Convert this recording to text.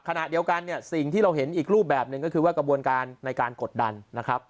ขณะเดียวกันเนี่ยสิ่งที่เราเห็นอีกรูปแบบหนึ่งก็คือว่ากระบวนการในการกดดันนะครับ